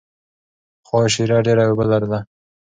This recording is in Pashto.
پخوا شیره ډېره اوبه لرله.